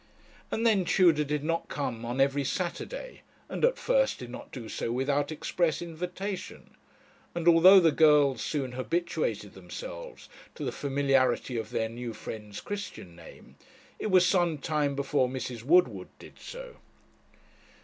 And then Tudor did not come on every Saturday, and at first did not do so without express invitation; and although the girls soon habituated themselves to the familiarity of their new friend's Christian name, it was some time before Mrs. Woodward did so.